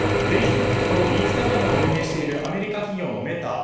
フェイスブックとインスタグラムを運営しているアメリカ企業のメタ。